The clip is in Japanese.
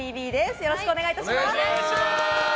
よろしくお願いします。